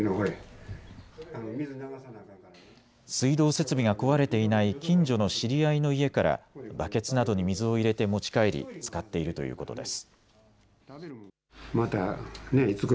水道設備が壊れていない近所の知り合いの家からバケツなどに水を入れて持ち帰り使っているということです。